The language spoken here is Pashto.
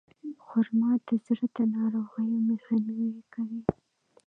خرما د زړه د ناروغیو مخنیوی کوي.